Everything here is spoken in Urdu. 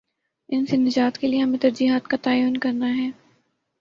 ان سے نجات کے لیے ہمیں ترجیحات کا تعین کرنا ہے۔